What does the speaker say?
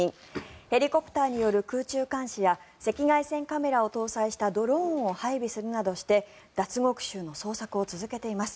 ヘリコプターによる空中監視や赤外線カメラを搭載したドローンを配備するなどして脱獄囚の捜索を続けています。